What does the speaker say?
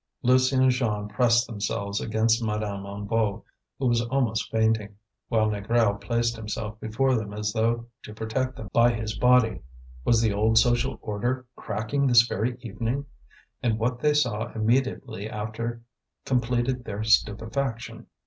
Lucie and Jeanne pressed themselves against Madame Hennebeau, who was almost fainting; while Négrel placed himself before them as though to protect them by his body. Was the old social order cracking this very evening? And what they saw immediately after completed their stupefaction.